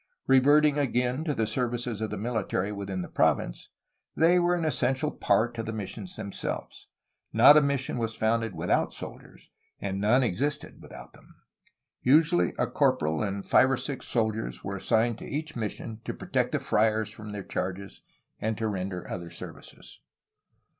Reverting again to the services of the military within the province, they were an essential part of the missions themselves. Not a mission was founded without soldiers, and none existed without them. Usually a corporal and five or six soldiers were assigned to each mission to protect the friars from their charges and to render other services.